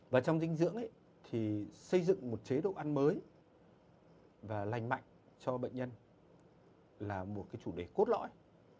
và trong dinh dưỡng thì xây dựng một chế độ ăn mới và lành mạnh cho bệnh nhân là một chủ đề cốt lõi